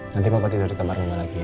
nanti papa tidur di kamar mama lagi ya